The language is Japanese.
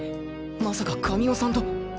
まさか神尾さんと？